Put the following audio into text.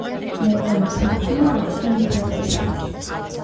Ներկայումս հանդիպում են ռոլլերի մի քանի տեսակներ։